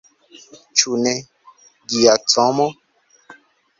Ĉu ne, Giacomo?